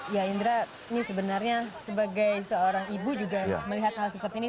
ya indra ini sebenarnya sebagai seorang ibu juga melihat hal seperti ini